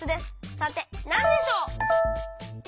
さてなんでしょう？